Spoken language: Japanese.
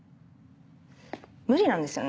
無理なんですよね？